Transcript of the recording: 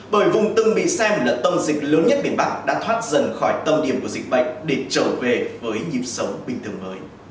bởi vùng từng bị xem là tâm dịch lớn nhất miền bắc đã thoát dần khỏi tâm điểm của dịch bệnh để trở về với nhịp sống bình thường mới